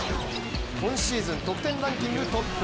今シーズン得点ランキングトップ